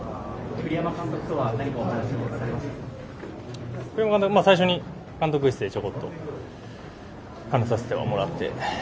栗山監督とは最初に監督室でちょこっと話させてはもらって。